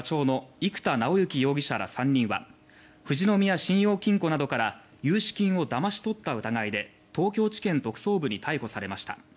生田尚之容疑者ら３人は富士宮信用金庫などから融資金をだまし取った疑いで東京地検特捜部に逮捕されました。